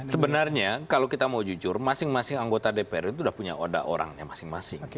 sebenarnya kalau kita mau jujur masing masing anggota dpr itu sudah punya oda orangnya masing masing